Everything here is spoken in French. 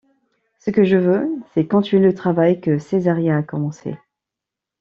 Ce que je veux c´est continuer le travail que Cesaria a commencé.